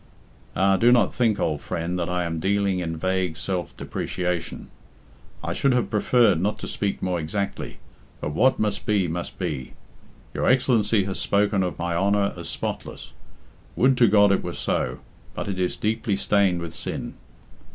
"Ah! do not think, old friend, that I am dealing in vague self depreciation. I should have preferred not to speak more exactly, but what must be, must be. Your Excellency has spoken of my honour as spotless. Would to God it were so; but it is deeply stained with sin."